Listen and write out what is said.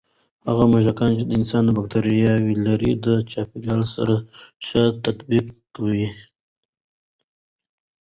هغه موږکان چې د انسان بکتریاوې لري، د چاپېریال سره ښه تطابق کوي.